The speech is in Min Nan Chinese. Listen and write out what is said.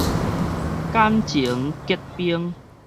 感情結冰